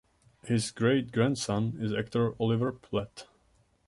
His great-grandson is actor Oliver Platt.